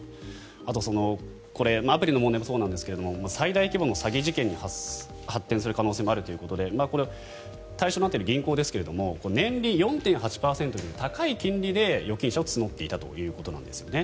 あとアプリの問題もそうですけど最大規模の詐欺事件に発展する可能性もあるということで対象となっている銀行ですが年利４．８％という高い金利で預金者を募っていたということなんですね。